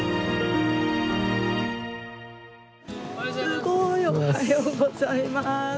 すごい！おはようございます。